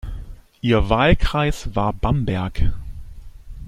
Ihr Wahlkreis war Bamberg.